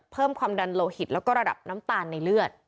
เพิ่มความดันโลหิตแล้วก็ระดับน้ำตาลในเลือด